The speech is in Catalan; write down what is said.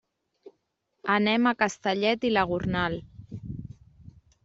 Anem a Castellet i la Gornal.